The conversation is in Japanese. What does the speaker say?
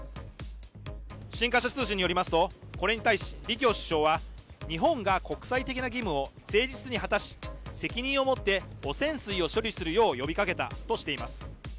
新華社通信によりますとこれに対し李強首相は日本が国際的な義務を誠実に果たし責任を持って汚染水を処理するよう呼びかけたとしています。